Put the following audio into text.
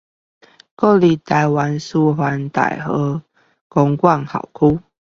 國立臺灣師範大學公館校區